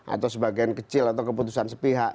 atau sebagian kecil atau keputusan sepihak